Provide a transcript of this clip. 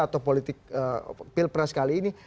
atau politik pilpres kali ini